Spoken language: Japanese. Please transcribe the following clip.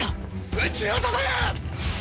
撃ち落とせぇ！！